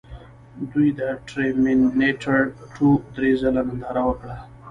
دوی د ټرمینیټر ټو درې ځله ننداره وکړه